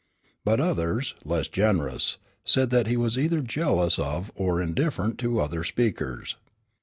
But others, less generous, said that he was either jealous of or indifferent to other speakers.